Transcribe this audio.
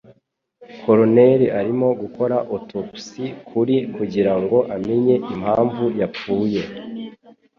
Coroner arimo gukora autopsie kuri kugirango amenye impamvu yapfuye.